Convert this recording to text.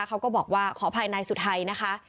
เขาก็บอกว่าขออภัยนายสุทัยนะคะ